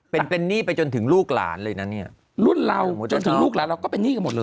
เป็นเป็นหนี้ไปจนถึงลูกหลานเลยนะเนี่ยรุ่นเราจนถึงลูกหลานเราก็เป็นหนี้กันหมดเลย